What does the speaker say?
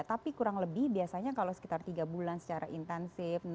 tapi kurang lebih biasanya kalau sekitar tiga bulan secara intensif